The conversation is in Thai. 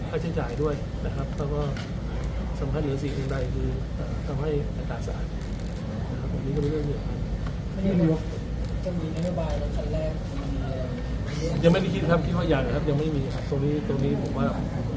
เขาใช้จ่ายด้วยนะครับเขาก็สำคัญเหลือสิ่งทุกใดคืออ่า